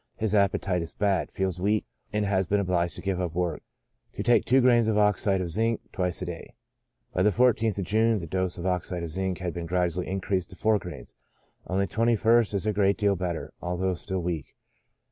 His appetite is bad. Feels weak, and has been obliged to give up work. To take two grains of oxide of zinc twice a day. By the 14th of June the dose of oxide of zinc had been gradually increased to four grains ; on the 21st, is a great deal better, although still weak.